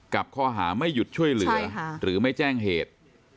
กับข้อหาไม่หยุดช่วยเหลือหรือไม่แจ้งเหตุ